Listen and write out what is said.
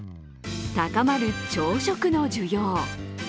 高まる朝食の需要。